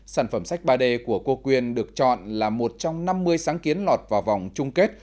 sản phẩm sách ba d của cô quyên được chọn là một trong năm mươi sáng kiến lọt vào vòng chung kết